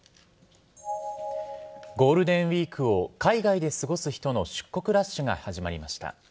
ゴールデンウイークを海外で過ごす人の出国ラッシュが始まりました。